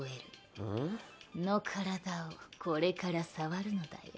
んっ？の体をこれから触るのだよ。